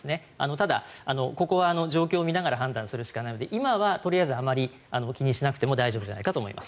ただ、ここは状況を見ながら判断するしかないので今はあまり気にしなくても大丈夫じゃないかと思います。